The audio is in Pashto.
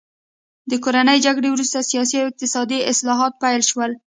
د کورنۍ جګړې وروسته سیاسي او اقتصادي اصلاحات پیل شول.